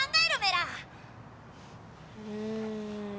うん。